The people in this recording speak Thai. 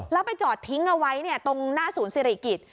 แล้วไปจอดทิ้งเอาไว้ตรงหน้าศูนย์สิริกิจ